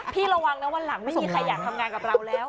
ระวังนะวันหลังไม่มีใครอยากทำงานกับเราแล้ว